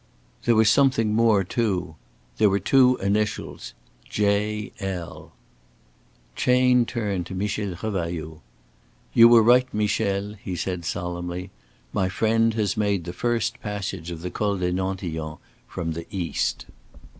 There was something more too. There were two initials J.L. Chayne turned to Michel Revailloud. "You were right, Michel," he said, solemnly. "My friend has made the first passage of the Col des Nantillons from the East."